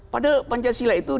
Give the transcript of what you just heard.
padahal pancasila itu